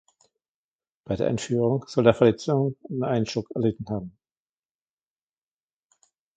Bei der Entführung soll er Verletzungen und einen Schock erlitten haben.